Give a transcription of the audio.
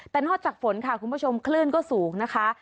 แต่นอกจากฝนค่ะคุณผู้ชมคลื่นก็สูงนะคะ